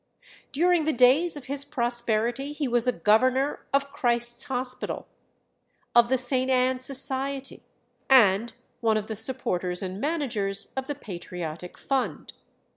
During the days of his prosperity he was a governor of Christ's Hospital, of the St. Ann's Society, and one of the supporters and managers of the Patriotic Fund.